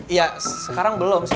iya sekarang belum sih